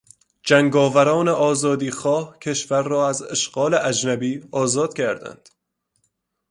جنگاوران آزادیخواه کشور را از اشغال اجنبی آزاد کردند.